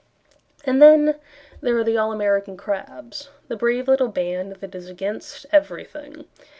And then there are the All American Crabs; The Brave Little Band that is Against Everything.